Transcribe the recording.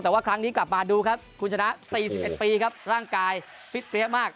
แต่ว่าครั้งนี้กลับมาดูครับคุณชนะ๔๑ปีครับร่างกายฟิตเปรี้ยมาก